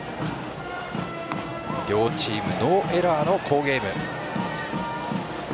両チーム、ノーエラーの好ゲーム。